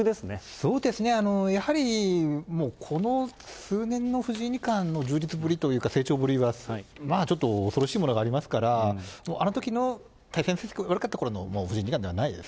そうですね、やはり、この数年の藤井二冠の充実ぶりというか、成長ぶりは、まあ、ちょっと恐ろしいものがありますから、あのときの対戦成績悪かったころのもう藤井二冠ではないです。